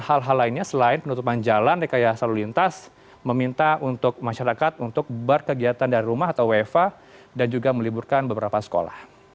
hal hal lainnya selain penutupan jalan rekayasa lalu lintas meminta untuk masyarakat untuk berkegiatan dari rumah atau wefa dan juga meliburkan beberapa sekolah